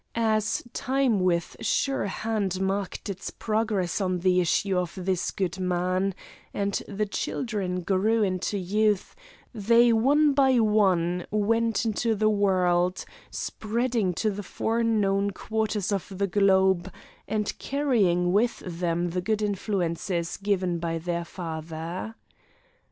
As time with sure hand marked its progress on the issue of this good man, and the children grew into youth, they one by one went into the world, spreading to the four known quarters of the globe, and carrying with them the good influence given by their father.